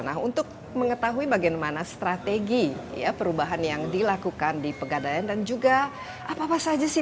nah untuk mengetahui bagaimana strategi perubahan yang dilakukan di pegadaian dan juga apa apa saja sih